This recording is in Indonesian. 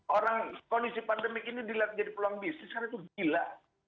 orang kondisi pandemik ini dilihat jadi peluang bisnis karena itu gila